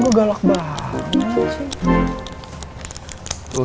gua galak banget sih